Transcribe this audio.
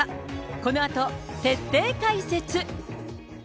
このあと徹底解説。